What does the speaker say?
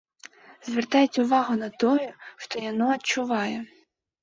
Звяртайце ўвагу на тое, што яно адчувае.